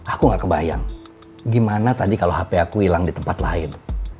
aku gak kebayang gimana tadi kalau hp aku hilang di tempat lain